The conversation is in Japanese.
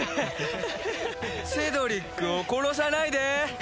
セドリックを殺さないで！